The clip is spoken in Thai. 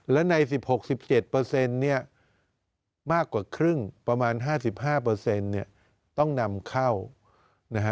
และใน๑๖๑๗เปอร์เซ็นต์เนี่ยมากกว่าครึ่งประมาณ๕๕เปอร์เซ็นต์เนี่ยต้องนำเข้านะฮะ